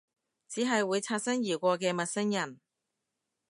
只係會擦身而過嘅陌生人？